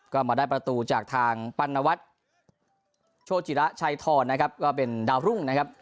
ก็มาได้ประตูจากทางปัณวัฒน์โชจิระชัยทรนะครับก็เป็นดาวรุ่งนะครับ